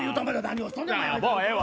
もうええわ！